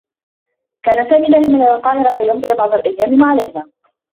كان سامي ذاهبا إلى القاهرة كي يمضي بعض الأيّام مع ليلى.